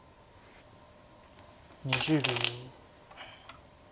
２０秒。